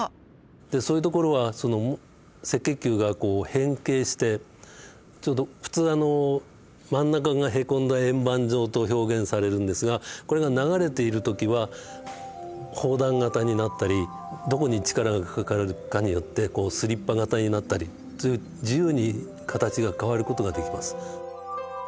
そういう所は赤血球がこう変形してちょうど普通あの真ん中がへこんだ円盤状と表現されるんですがこれが流れている時は砲弾形になったりどこに力がかかるかによってスリッパ形になったりそういう自由に形が変わる事ができます。